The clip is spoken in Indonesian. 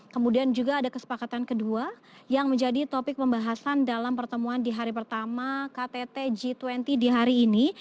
kemudian juga ada kesepakatan kedua yang menjadi topik pembahasan dalam pertemuan di hari pertama ktt g dua puluh di hari ini